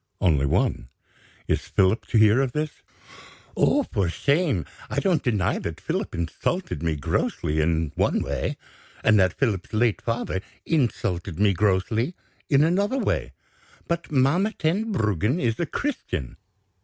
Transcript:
"Only one. Is Philip to hear of this?" "Oh, for shame! I don't deny that Philip insulted me grossly, in one way; and that Philip's late father insulted me grossly, in another way. But Mamma Tenbruggen is a Christian.